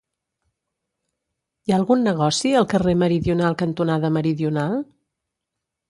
Hi ha algun negoci al carrer Meridional cantonada Meridional?